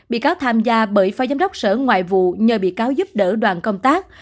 bị cáo tham gia bởi phó giám đốc sở ngoại vụ nhờ bị cáo giúp đỡ đoàn công tác